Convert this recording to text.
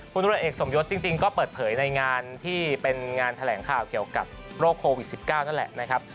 ธุรกิจเอกสมยศจริงก็เปิดเผยในงานที่เป็นงานแถลงข่าวเกี่ยวกับโรคโควิด๑๙นั่นแหละนะครับ